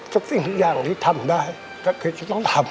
สิ่งทุกอย่างที่ทำได้ก็คือจะต้องทำ